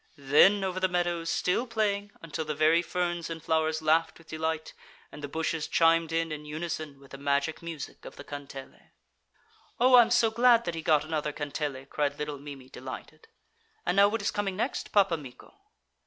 Then over the meadows, still playing, until the very ferns and flowers laughed with delight and the bushes chimed in in unison with the magic music of the kantele. 'Oh! I'm so glad that he got another kantele,' cried little Mimi, delighted. 'And now what is coming next, Pappa Mikko?'